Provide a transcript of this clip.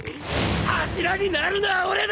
柱になるのは俺だ！！